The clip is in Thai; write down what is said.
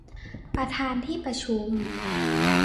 ประธานที่ประชุม